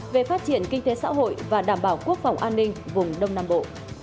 về phát triển kinh tế xã hội và đảm bảo quốc phòng an ninh vùng đông nam bộ